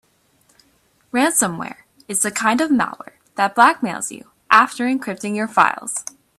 Ransomware is the kind of malware that blackmails you after encrypting your files.